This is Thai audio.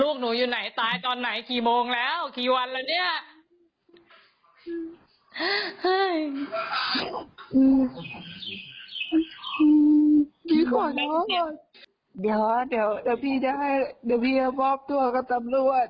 ระภาใจร้ายของทีมในตัวและทอดเข็ม